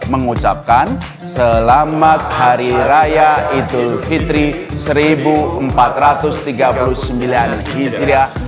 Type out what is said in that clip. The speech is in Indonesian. mengucapkan selamat hari raya idul fitri seribu empat ratus tiga puluh sembilan hijriah